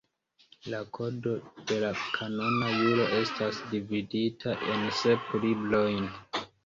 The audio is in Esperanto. La Kodo de Kanona Juro estas dividita en sep librojn.